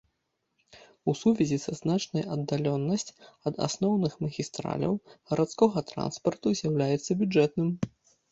У сувязі са значнай аддаленасць ад асноўных магістраляў гарадскога транспарту з'яўляецца бюджэтным.